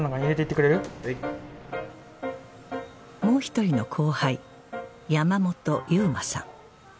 もう一人の後輩山本侑真さん